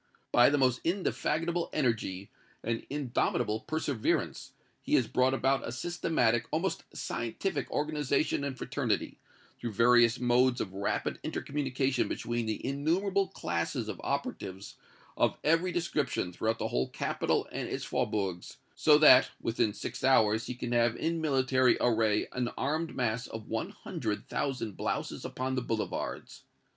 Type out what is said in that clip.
By most indefatigable energy and indomitable perseverance, he has brought about a systematic, almost scientific organization and fraternity, through various modes of rapid intercommunication between the innumerable classes of operatives of every description throughout the whole capital and its faubourgs, so that, within six hours, he can have in military array an armed mass of one hundred thousand blouses upon the boulevards.